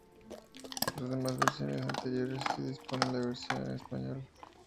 Las demás versiones anteriores, sí disponen de la versión en español.